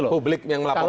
publik yang melaporkan